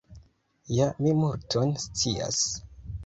Ja mi multon scias.